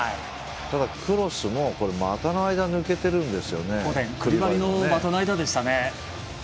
クロスも股の間抜けているんです。